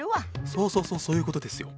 そうそうそうそういうことですよ。